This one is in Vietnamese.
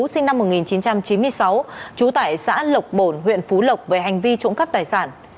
sinh năm một nghìn chín trăm chín mươi sáu trú tại xã lộc bồn huyện phú lộc về hành vi trộm cắp tài sản